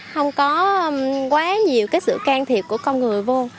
không có quá nhiều cái sự can thiệp của con người vô